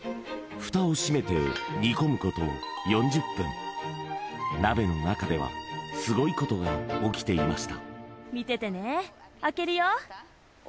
ふたを閉めて煮込むこと４０分鍋の中ではすごいことが起きていました